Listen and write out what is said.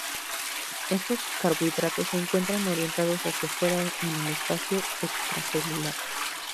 Estos carbohidratos se encuentran orientados hacia fuera en el espacio extracelular.